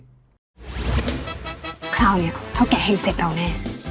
คราวนี้เขาแก่แห่งเสร็จเราแน่